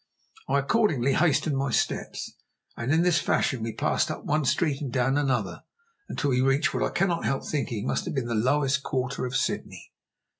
I accordingly hastened my steps, and in this fashion we passed up one street and down another, until we reached what I cannot help thinking must have been the lowest quarter of Sydney.